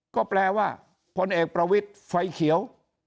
ก็แปลว่าพลเอกประวิทย์ไฟเขียว